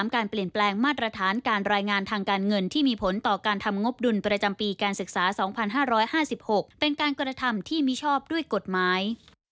การเปลี่ยนแปลงมาตรฐานการรายงานทางการเงินที่มีผลต่อการทำงบดุลประจำปีการศึกษา๒๕๕๖เป็นการกระทำที่มิชอบด้วยกฎหมาย